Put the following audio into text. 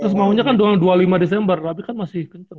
terus maunya kan dua puluh lima desember tapi kan masih kenceng